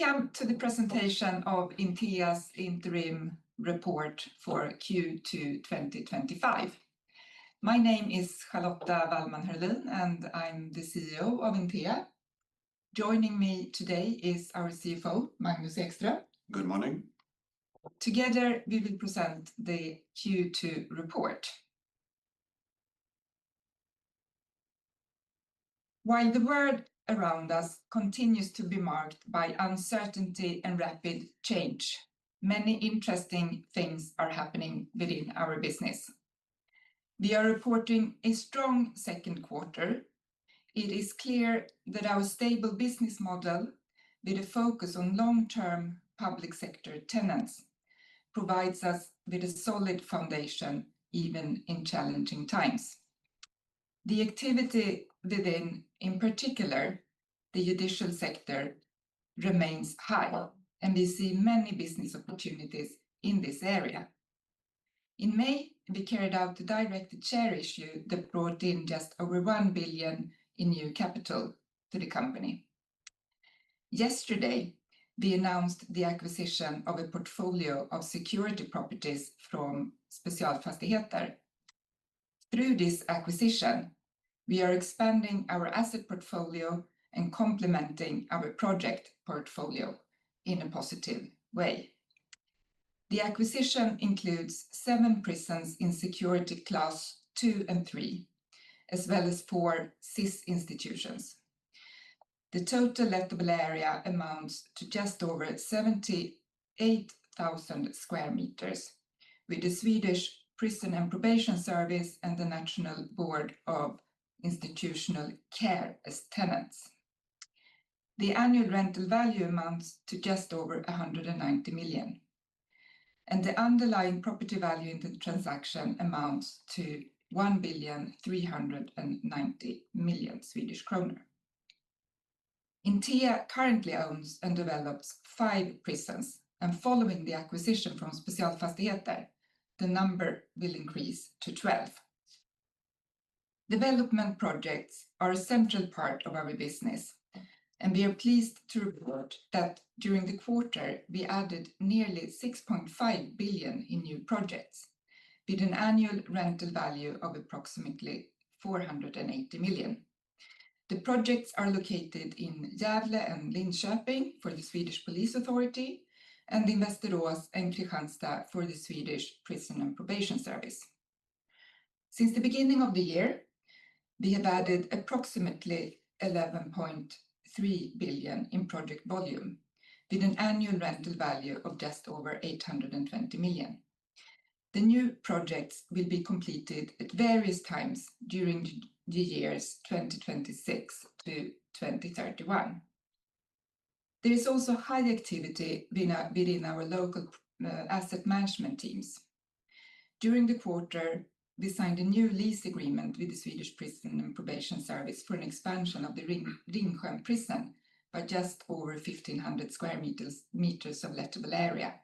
Welcome to the presentation of Intea's interim report for Q2 2025. My name is Charlotta Wallman Hörlin, and I'm the CEO of Intea. Joining me today is our CFO, Magnus Ekström. Good morning. Together, we will present the Q2 report. While the world around us continues to be marked by uncertainty and rapid change, many interesting things are happening within our business. We are reporting a strong second quarter. It is clear that our stable business model, with a focus on long-term public sector tenants, provides us with a solid foundation even in challenging times. The activity within, in particular, the judicial sector remains high, and we see many business opportunities in this area. In May, we carried out the directed share issue that brought in just over 1 billion in new capital to the company. Yesterday, we announced the acquisition of a portfolio of security properties from Specialfastigheter. Through this acquisition, we are expanding our asset portfolio and complementing our project portfolio in a positive way. The acquisition includes seven prisons in security class II and III, as well as four CIS institutions. The total lettable area amounts to just over 78,000 square meters, with the Swedish Prison and Probation Service and the National Board of Institutional Care as tenants. The annual rental value amounts to just over 190 million, and the underlying property value in the transaction amounts to 1,390,000,000 Swedish kronor. Intea currently owns and develops five prisons, and following the acquisition from Specialfastigheter, the number will increase to 12. Development projects are a central part of our business, and we are pleased to report that during the quarter, we added nearly 6.5 billion in new projects, with an annual rental value of approximately 480 million. The projects are located in Gävle and Linköping for the Swedish Police Authority, and in Västerås and Kristianstad for the Swedish Prison and Probation Service. Since the beginning of the year, we have added approximately 11.3 billion in project volume, with an annual rental value of just over 820 million. The new projects will be completed at various times during the years 2026-2031. There is also high activity within our local asset management teams. During the quarter, we signed a new lease agreement with the Swedish Prison and Probation Service for an expansion of the Ringsjön prison by just over 1,500 square meters of lettable area.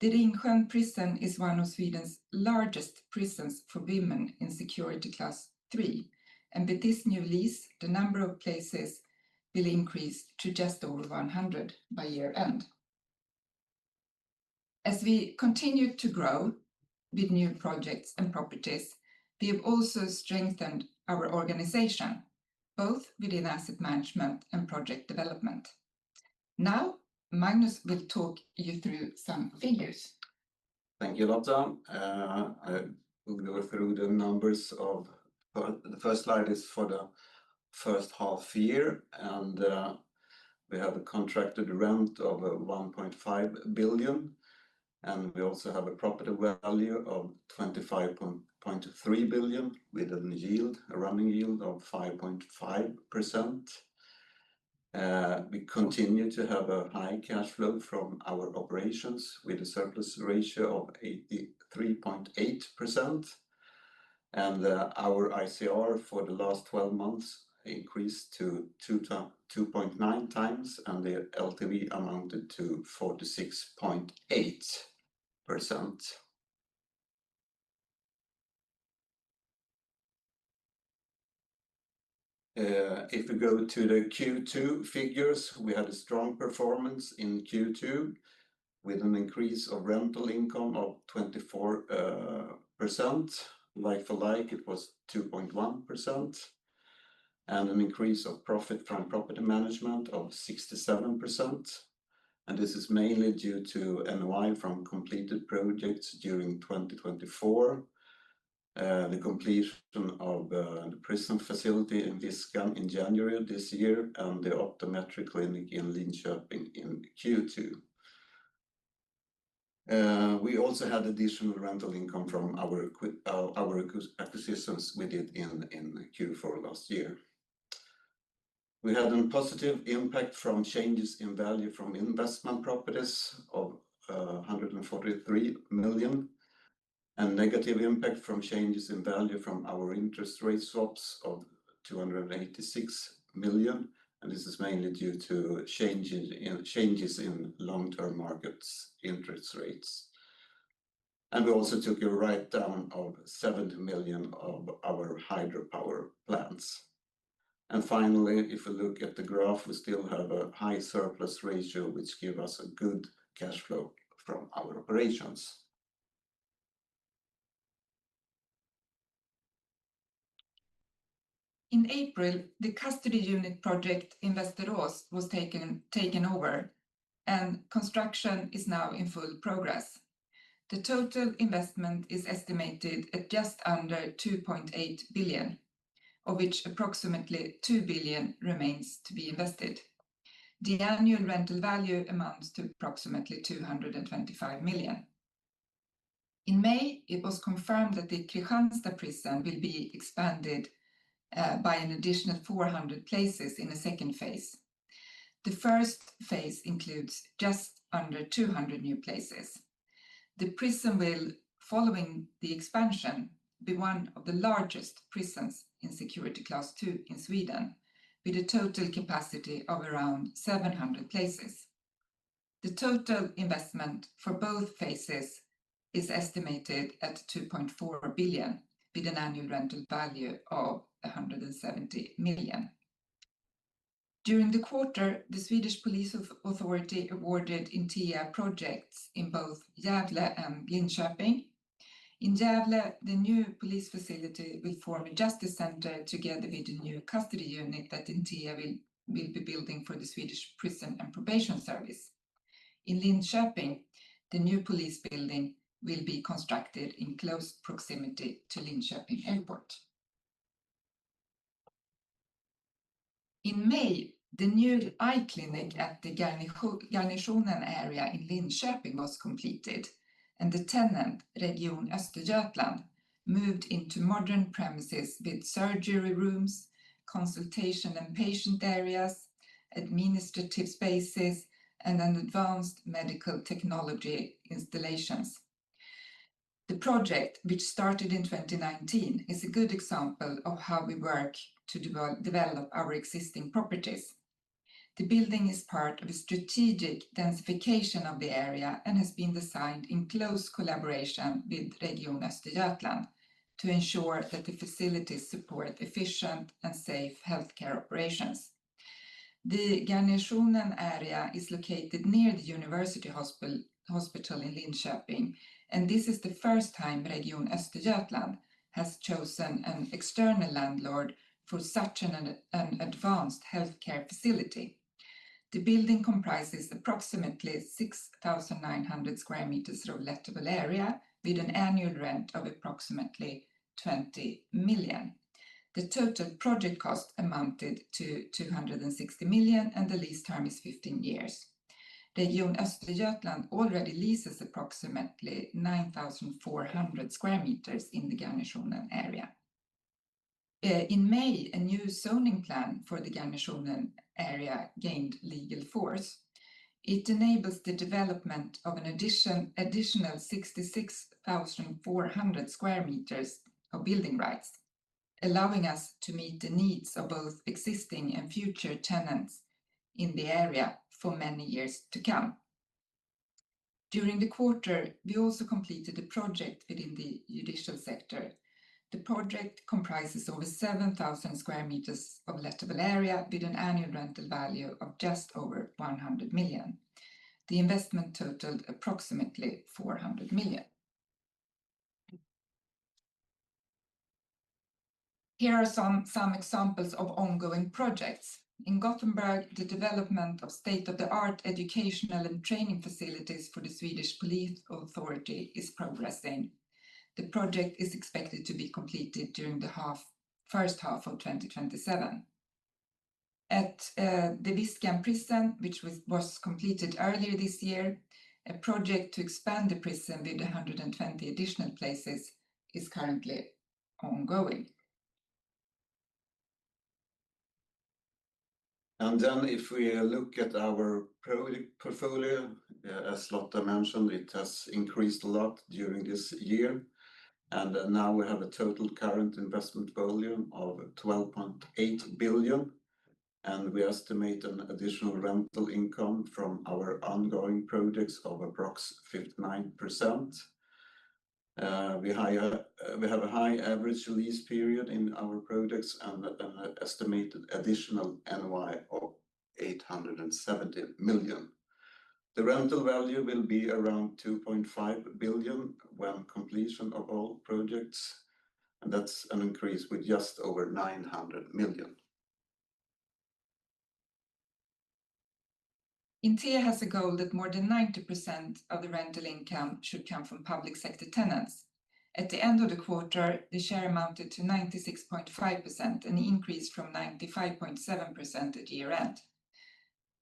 The Ringsjön prison is one of Sweden's largest prisons for women in security class III, and with this new lease, the number of places will increase to just over 100 by year-end. As we continue to grow with new projects and properties, we have also strengthened our organization, both within asset management and project development. Now, Magnus will talk you through some figures. Thank you, Lotta. I will go through the numbers. The first slide is for the first half year, and we have a contracted rent of 1.5 billion, and we also have a property value of 25.3 billion, with a running yield of 5.5%. We continue to have a high cash flow from our operations, with a surplus ratio of 83.8%, and our ICR for the last 12 months increased to 2.9 times, and the LTV amounted to 46.8%. If we go to the Q2 figures, we had a strong performance in Q2 with an increase of rental income of 24%. Like for like, it was 2.1%, and an increase of profit from property management of 67%, and this is mainly due to MOI from completed projects during 2024. The completion of the prison facility in Visken in January of this year and the optometric clinic in Linköping in Q2. We also had additional rental income from our acquisitions we did in Q4 last year. We had a positive impact from changes in value from investment properties of 143 million, and a negative impact from changes in value from our interest rate swaps of 286 million, and this is mainly due to changes in long-term market interest rates. We also took a write-down of 70 million of our hydropower plants. Finally, if we look at the graph, we still have a high surplus ratio, which gives us a good cash flow from our operations. In April, the custody unit project in Västerås was taken over, and construction is now in full progress. The total investment is estimated at just under 2.8 billion, of which approximately 2 billion remains to be invested. The annual rental value amounts to approximately 225 million. In May, it was confirmed that the Kristianstad prison will be expanded by an additional 400 places in a second phase. The first phase includes just under 200 new places. The prison will, following the expansion, be one of the largest prisons in security class II in Sweden, with a total capacity of around 700 places. The total investment for both phases is estimated at 2.4 billion, with an annual rental value of 170 million. During the quarter, the Swedish Police Authority awarded Intea projects in both Gävle and Linköping. In Gävle, the new police facility will form a justice center together with the new custody unit that Intea Fastigheter AB will be building for the Swedish Prison and Probation Service. In Linköping, the new police building will be constructed in close proximity to Linköping Airport. In May, the new optometric clinic at the Garnisonen area in Linköping was completed, and the tenant, Region Östergötland, moved into modern premises with surgery rooms, consultation and patient areas, administrative spaces, and advanced medical technology installations. The project, which started in 2019, is a good example of how we work to develop our existing properties. The building is part of a strategic densification of the area and has been designed in close collaboration with Region Östergötland to ensure that the facilities support efficient and safe healthcare operations. The Garnisonen area is located near the University Hospital in Linköping, and this is the first time Region Östergötland has chosen an external landlord for such an advanced healthcare facility. The building comprises approximately 6,900 square meters of lettable area with an annual rent of approximately 20 million. The total project cost amounted to 260 million, and the lease term is 15 years. Region Östergötland already leases approximately 9,400 square meters in the Garnisonen area. In May, a new zoning plan for the Garnisonen area gained legal force. It enables the development of an additional 66,400 square meters of building rights, allowing us to meet the needs of both existing and future tenants in the area for many years to come. During the quarter, we also completed a project within the judicial sector. The project comprises over 7,000 square meters of lettable area with an annual rental value of just over 100 million. The investment totaled approximately 400 million. Here are some examples of ongoing projects. In Gothenburg, the development of state-of-the-art educational and training facilities for the Swedish Police Authority is progressing. The project is expected to be completed during the first half of 2027. At the Visken prison, which was completed earlier this year, a project to expand the prison with 120 additional places is currently ongoing. If we look at our project portfolio, as Lotta mentioned, it has increased a lot during this year, and now we have a total current investment volume of 12.8 billion. We estimate an additional rental income from our ongoing projects of approximately 59%. We have a high average release period in our projects and an estimated additional NOI of 870 million. The rental value will be around 2.5 billion when completion of all projects, and that's an increase with just over 900 million. Intea has a goal that more than 90% of the rental income should come from public sector tenants. At the end of the quarter, the share amounted to 96.5%, an increase from 95.7% at year-end.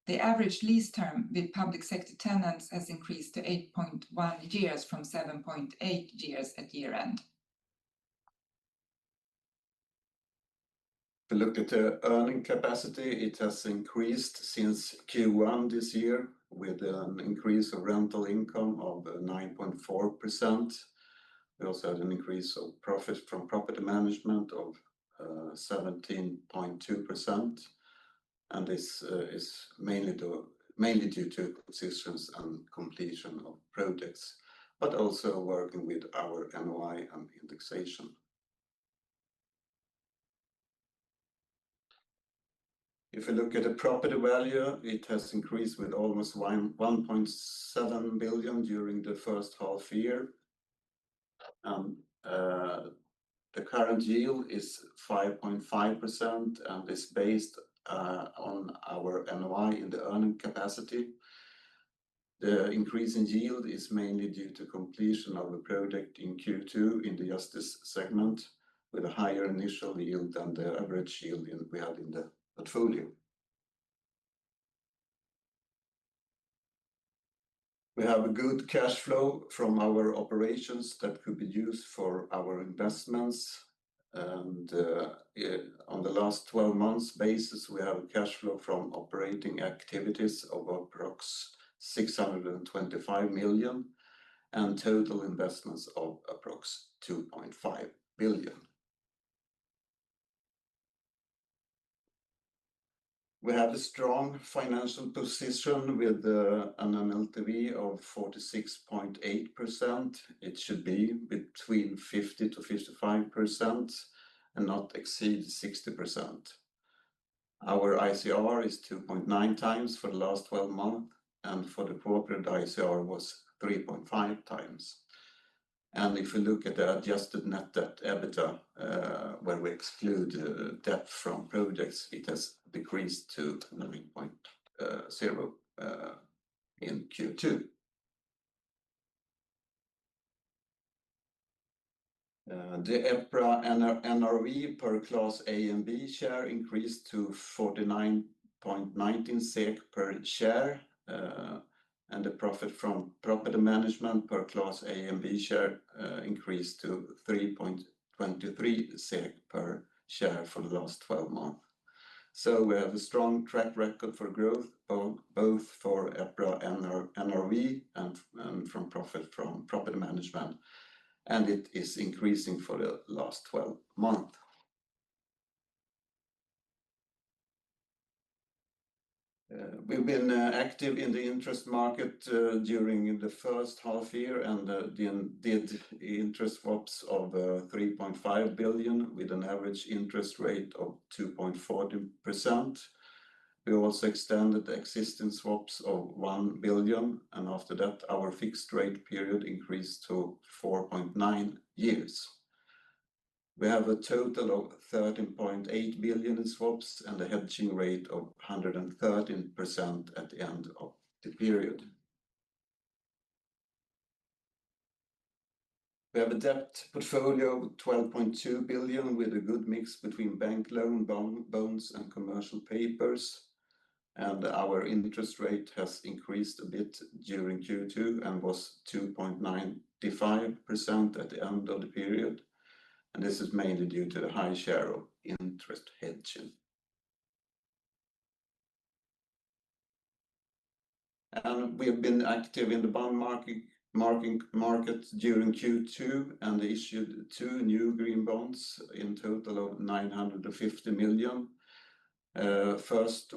The average lease term with public sector tenants has increased to 8.1 years from 7.8 years at year-end. If we look at the earning capacity, it has increased since Q1 this year with an increase of rental income of 9.4%. We also had an increase of profit from property management of 17.2%, and this is mainly due to consistency and completion of projects, but also working with our MOI and indexation. If we look at the property value, it has increased with almost 1.7 billion during the first half year. The current yield is 5.5%, and it's based on our NOI in the earning capacity. The increase in yield is mainly due to completion of a project in Q2 in the justice segment, with a higher initial yield than the average yield we had in the portfolio. We have a good cash flow from our operations that could be used for our investments, and on the last 12 months' basis, we have a cash flow from operating activities of approximately 625 million and total investments of approximately 2.5 billion. We have a strong financial position with an NLTV of 46.8%. It should be between 50%-55% and not exceed 60%. Our ICR is 2.9 times for the last 12 months, and for the quarter, the ICR was 3.5 times. If we look at the adjusted net debt EBITDA, where we exclude debt from projects, it has decreased to 9.0 in Q2. The EPRA and our NRV per class A and B share increased to 49.19 SEK per share, and the profit from property management per class A and B share increased to 3.23 SEK per share for the last 12 months. We have a strong track record for growth, both for EPRA and NRV and from profit from property management, and it is increasing for the last 12 months. We've been active in the interest market during the first half year and did interest swaps of 3.5 billion with an average interest rate of 2.40%. We also extended the existing swaps of 1 billion, and after that, our fixed rate period increased to 4.9 years. We have a total of 13.8 billion in swaps and a hedging rate of 113% at the end of the period. We have a debt portfolio of 12.2 billion with a good mix between bank loan bonds and commercial papers, and our interest rate has increased a bit during Q2 and was 2.95% at the end of the period, and this is mainly due to the high share of interest hedging. We have been active in the bond markets during Q2 and issued two new green bonds in total of 950 million. The first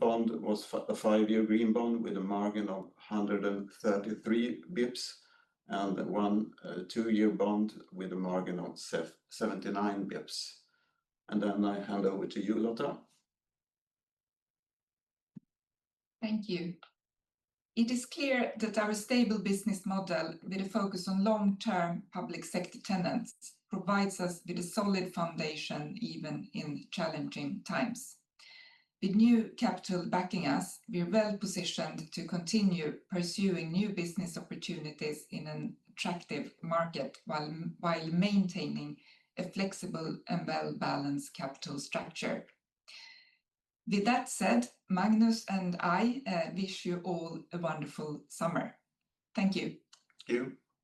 bond was a five-year green bond with a margin of 133 basis points and one two-year bond with a margin of 79 basis points. I hand over to you, Lotta. Thank you. It is clear that our stable business model with a focus on long-term public sector tenants provides us with a solid foundation even in challenging times. With new capital backing us, we are well positioned to continue pursuing new business opportunities in an attractive market while maintaining a flexible and well-balanced capital structure. With that said, Magnus and I wish you all a wonderful summer. Thank you. Thank you.